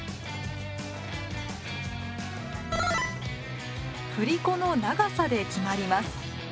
振り子の長さで決まります。